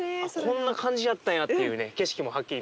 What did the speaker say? こんな感じやったんやっていうね景色もはっきり見えてきましたけど。